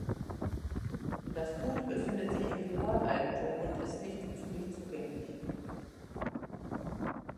Das Gut befindet sich in Privateigentum und ist nicht öffentlich zugänglich.